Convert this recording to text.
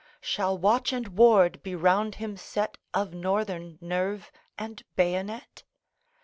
Shall watch and ward be round him set, Of Northern nerve and bayonet?